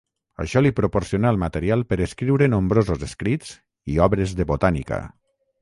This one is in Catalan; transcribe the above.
Això li proporcionà el material per escriure nombrosos escrits i obres de botànica.